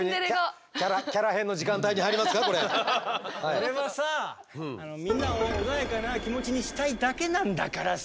俺はさみんなを穏やかな気持ちにしたいだけなんだからさ。